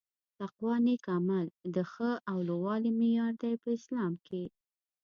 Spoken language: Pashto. تقوا نيک عمل د ښه او لووالي معیار دي په اسلام کي